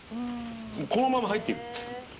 このまま入ってる。